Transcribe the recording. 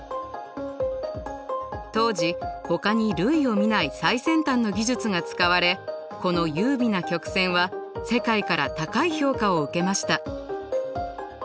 当時ほかに類を見ない最先端の技術が使われこの優美な曲線は世界から高い評価を受けました。